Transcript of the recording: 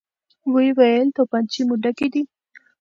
ويې ويل: توپانچې مو ډکې دي؟